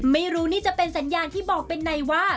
ไม่รู้นี่จะเป็นสัญญาณที่บอกเป็นในว่า